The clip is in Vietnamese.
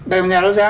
đây là nhà đấu giá